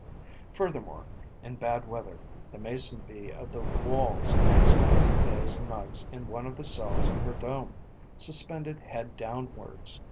Furthermore, in bad weather, the Mason bee of the Walls spends the days and nights in one of the cells of her dome, suspended head downwards.